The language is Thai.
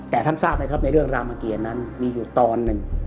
แต่ท่านทราบไหมครับในเรื่องรามเกียรนั้นมีอยู่ตอนหนึ่ง